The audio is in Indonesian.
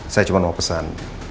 saya cuma mau pesan